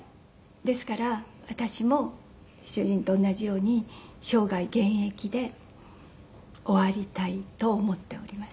ですから私も主人と同じように生涯現役で終わりたいと思っております